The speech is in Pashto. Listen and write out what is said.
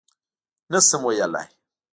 _نه شم ويلای.